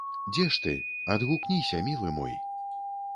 Дзе ж ты, адгукніся, мілы мой.